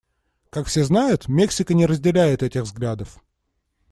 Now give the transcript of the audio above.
Как все знают, Мексика не разделяет этих взглядов.